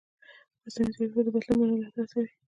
مصنوعي ځیرکتیا د بدلون منلو ته هڅوي.